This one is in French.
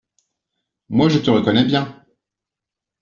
«Moi je te reconnais bien.